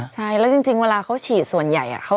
ใช่แล้วจริงเวลาเขาฉีดส่วนใหญ่